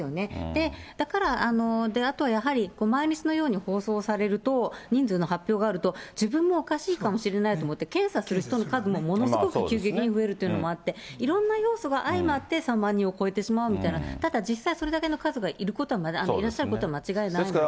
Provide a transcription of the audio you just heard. で、だから、あとはやはり毎日のように放送されると、人数の発表があると、自分もおかしいかもしれないと思って、検査する人の数もものすごく急激に増えるというのもあって、いろんな要素が相まって、３万人を超えてしまうみたいな、ただ、実際それだけの数がいらっしゃることは間違いないので。